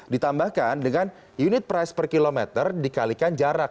ditambahkan dengan unit price per kilometer dikalikan jarak